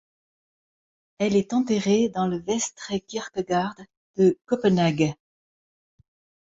Elle est enterrée dans le Vestre Kirkegård de Copenhague.